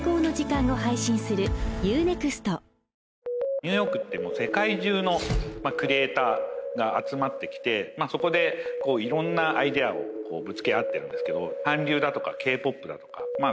ニューヨークってもう世界中のクリエイターが集まってきてまあそこで色んなアイデアをぶつけあってるんですけど韓流だとかＫ−ＰＯＰだとかまあ